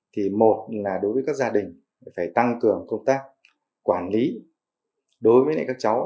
thì một là đối với các gia đình phải tăng cường công tác quản lý đối với các cháu